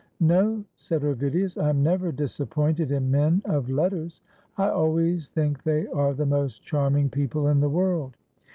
"No," said Ovidius, " I am never disappointed in men of letters. I always think they are the most charming people in the world.